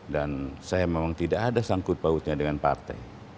dan saya memang tidak ada sangkut pautnya dengan partai